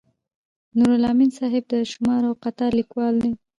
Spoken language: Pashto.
نورالامین صاحب د شمار او قطار لیکوال دی.